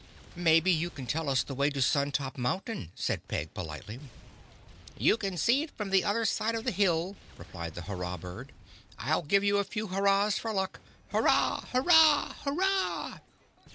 "Maybe you can tell us the way to Sun Top Mountain," said Peg politely. "You can see it from the other side of the hill," replied the Hurrah Bird. "I'll give you a few hurrahs for luck. Hurrah! Hurrah! Hurrah!"